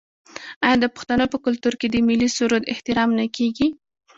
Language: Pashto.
آیا د پښتنو په کلتور کې د ملي سرود احترام نه کیږي؟